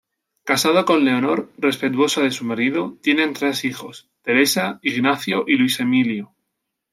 Casado con Leonor, respetuosa de su marido, tienen tres hijos: Teresa, Ignacio y Luis Emilio.